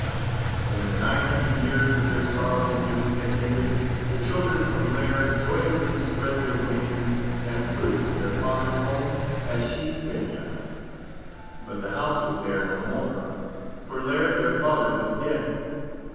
When the nine hundred years of their sorrowful doom had ended, the children of Lîr joyously spread their wings and flew to their father's home at Shee Finnaha. But the house was there no more, for Lîr, their father, was dead.